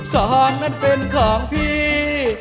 สองนั้นเป็นของพี่